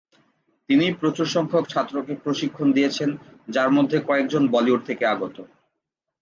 তিনি প্রচুর সংখ্যক ছাত্রকে প্রশিক্ষণ দিয়েছেন, যার মধ্যে কয়েকজন বলিউড থেকে আগত।